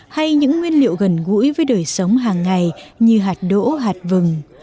hay những nguyên liệu gần gũi với đời sống hàng ngày như hạt đỗ hạt vừng